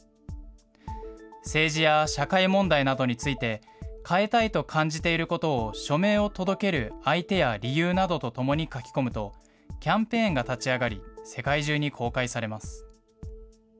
政治や社会問題などについて、変えたいと感じていることを署名を届ける相手や理由などとともに書き込むと、キャンペーンが立ち上がり、世界中に公開されます。